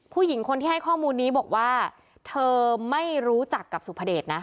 ผู้หญิงคนที่ให้ข้อมูลนี้บอกว่าเธอไม่รู้จักกับสุภเดชนะ